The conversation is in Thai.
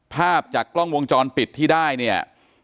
ภาพจากกล้องวงจรปิดที่ได้เนี่ย